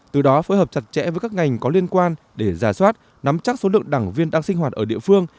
từ đó phối hợp chặt chẽ với các ngành có liên quan để giả soát nắm chắc số lượng đảng viên đang sinh hoạt ở địa phương